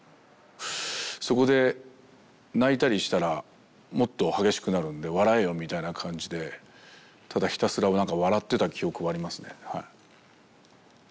そこで泣いたりしたらもっと激しくなるんで笑えよみたいな感じでただひたすら笑ってた記憶がありますね。